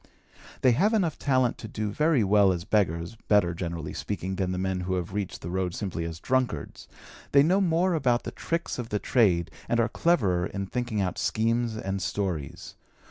They have enough talent to do very well as beggars, better, generally speaking, then the men who have reached the road simply as drunkards; they know more about the tricks of the trade and are cleverer in thinking out schemes and stories.